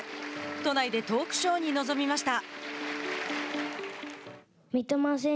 都内でトークショーに臨みました。